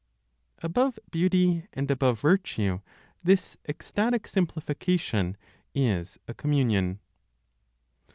ABOVE BEAUTY AND ABOVE VIRTUE THIS ECSTATIC SIMPLIFICATION IS A COMMUNION.